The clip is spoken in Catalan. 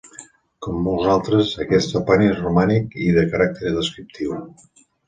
Com molts altres, aquest topònim és romànic i de caràcter descriptiu.